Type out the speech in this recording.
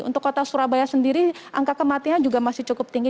untuk kota surabaya sendiri angka kematian juga masih cukup tinggi